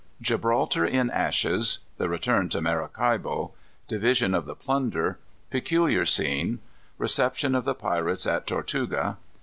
_ Gibraltar in Ashes. The Return to Maracaibo. Division of the Plunder. Peculiar Scene. Reception of the Pirates at Tortuga.